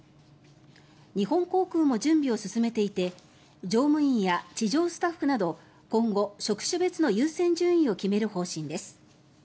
日本航空も準備を進めていて乗務員や地上スタッフなど今後、職種別の優先順位を決める方針です。